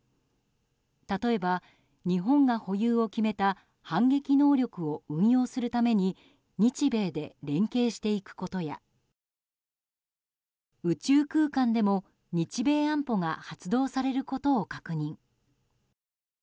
例えば、日本が保有を決めた反撃能力を運用するために日米で連携していくことや宇宙空間でも、日米安保が発動されることを確認。